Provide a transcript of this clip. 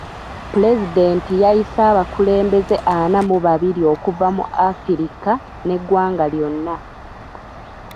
Pulezidenti yayise abakulembeze ana mu babiri okuva mu Afirika n'eggwanga lyonna.